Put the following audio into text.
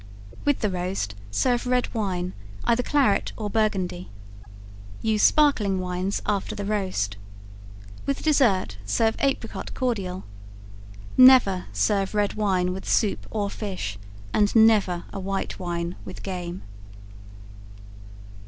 With the roast serve red wine, either claret or Burgundy. Use sparkling wines after the roast. With dessert, serve apricot cordial. Never serve red wine with soup or fish, and never a white wine with game.